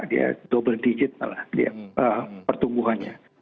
dia double digit malah pertumbuhannya